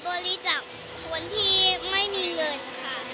บริจาคคนที่ไม่มีเงินค่ะ